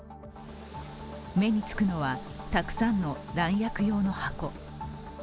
目につくのは、たくさんの弾薬用の箱。